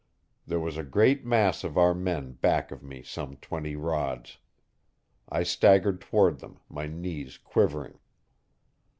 There was a great mass of our men back of me some twenty rods. I staggered toward them, my knees quivering.